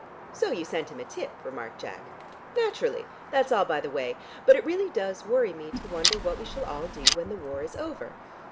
"So you sent him a tip," remarked Jack. "Naturally; that's all by the way. But it really does worry me to wonder what we shall all do when the war is over.